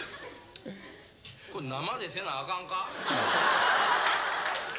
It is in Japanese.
これ生でせなアカンか？